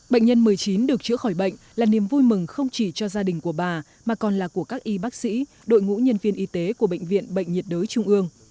bệnh nhân một mươi chín được chữa khỏi bệnh là niềm vui mừng không chỉ cho gia đình của bà mà còn là của các y bác sĩ đội ngũ nhân viên y tế của bệnh viện bệnh nhiệt đới trung ương